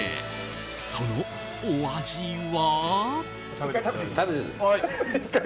そのお味は？